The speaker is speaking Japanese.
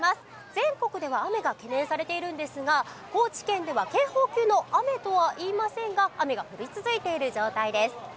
全国では雨が懸念されているんですが、高知県では警報級の雨とはいいませんが雨が降り続いている状態です。